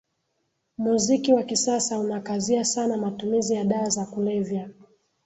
Muziki wa kisasa unakazia sana matumizi ya dawa za kulevya